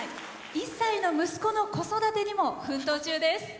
１歳の息子の子育てにも奮闘中です。